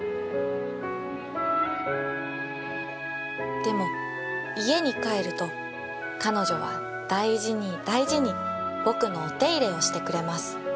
「でも家に帰ると彼女は大事に大事に僕のお手入れをしてくれます」。